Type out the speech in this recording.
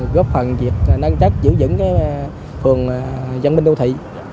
góp phần việc nâng chất giữ dững cái phường dân binh đô thị